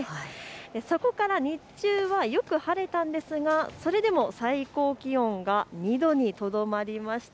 そこから日中はよく晴れたんですが、それでも最高気温が２度にとどまりました。